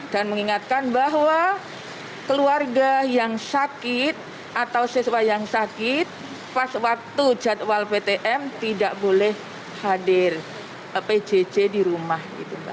dan mengingatkan bahwa keluarga yang sakit atau siswa yang sakit pas waktu jadwal ptm tidak boleh hadir pjj di rumah